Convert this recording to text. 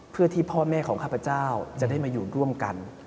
เพื่อที่พ่อแม่ของข้าพเจ้าจะได้มาอยู่ร่วมกัน